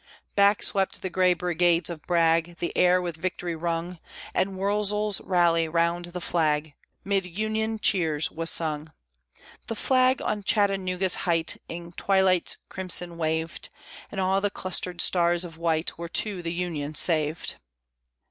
Back swept the gray brigades of Bragg; The air with victory rung; And Wurzel's "Rally round the flag!" 'Mid Union cheers was sung. The flag on Chattanooga's height In twilight's crimson waved, And all the clustered stars of white Were to the Union saved.